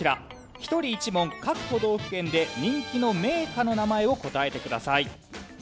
１人１問各都道府県で人気の銘菓の名前を答えてください。